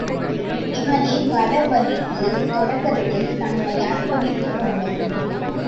இவனே களப்பலிக்குத் தொடக்கத்தில் தன்னை அர்ப்பணித்துக் கொண்டவன்.